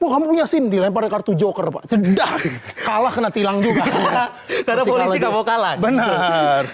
kamu punya sim dilempar kartu joker cedah kalah kena tilang juga karena polisi kamu kalah benar